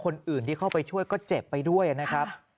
คนอื่นที่เข้าไปช่วยก็เจ็บไปด้วยนะครับ